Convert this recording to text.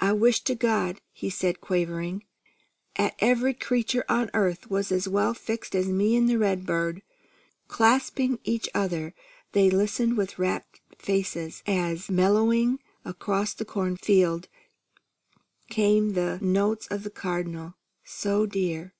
"I wish to God," he said quaveringly, "'at every creature on earth was as well fixed as me an' the redbird!" Clasping each other, they listened with rapt faces, as, mellowing across the corn field, came the notes of the Cardinal: "So dear!